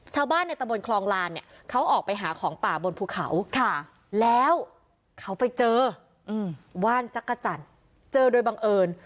ชาวบ้านในตะบนคลองลานเนี่ยเขาออกไปหาของป่าบนภูเขาแล้วเขาไปเจอว่านจักรจันทร์เจอโดยบังเอิญ